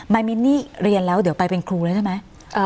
มินนี่เรียนแล้วเดี๋ยวไปเป็นครูแล้วใช่ไหม